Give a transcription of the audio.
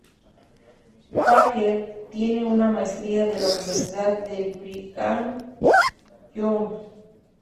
Packer tiene una maestría de la Universidad de Brigham Young.